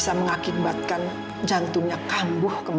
sekalian untuk menubur kamu